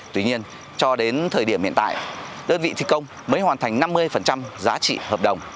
tuy nhiên cho đến thời điểm hiện tại đơn vị thi công mới hoàn thành năm mươi giá trị hợp đồng